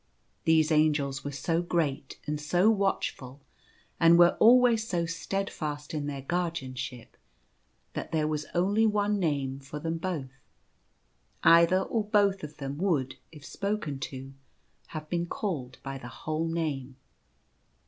These angels were so great and so watchful, and were always so steadfast in their guardianship, that there was only one name for them both. Either or both of them would, if spoken to, have been called by the whole name.